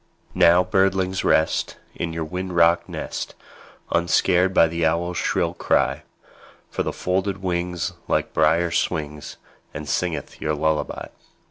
Now, birdlings, rest, In your wind rocked nest, Unscared by the owl's shrill cry; For with folded wings Little Brier swings, And singeth your lullaby.